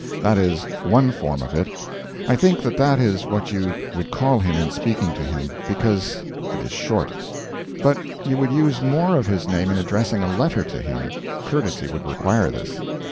That is one form of it. I think that that is what you would call him in speaking to him because it is short. But you would use more of his name in addressing a letter to him; courtesy would require this.